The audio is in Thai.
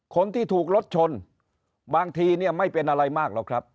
คนที่ถูกรถชนบางทีเนี่ยไม่เป็นอะไรมากหรอกครับ